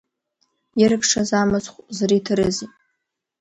Иркшаз амыцхә зриҭарызи.